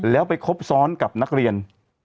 แล้วไปคบซ้อนกับนักเรียน